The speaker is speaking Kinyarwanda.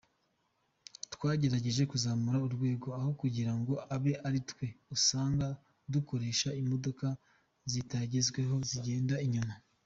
Twagerageje kuzamura urwego aho kugira ngo abe aritwe usanga dukoresha imodoka zitagezweho zigenda inyuma.